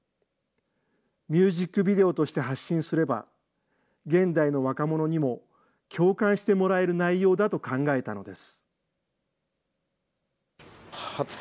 ミュージックビデオとして発信すれば、現代の若者にも共感してもらえる内容だと考えたのです。